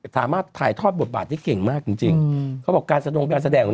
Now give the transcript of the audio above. สามารถถ่ายทอดบทบาทที่เก่งมากจริงการสนุกแบบแสดงของ